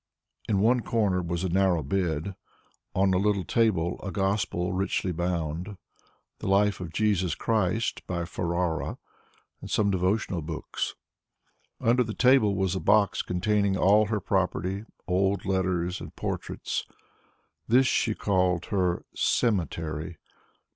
In one corner was a narrow bed, on a little table a Gospel richly bound, the Life of Jesus Christ by Ferrara, and some devotional books. Under the table was a box containing all her property, old letters and portraits. This she called her "cemetery."